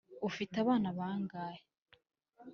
ufite abana bangahe?